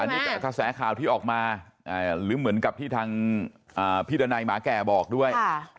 อันนี้กระแสข่าวที่ออกมาหรือเหมือนกับที่ทางพี่ดันัยหมาแก่บอกด้วย